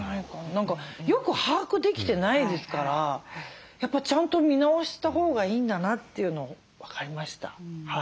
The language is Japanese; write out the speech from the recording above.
何かよく把握できてないですからやっぱちゃんと見直したほうがいいんだなっていうのを分かりました。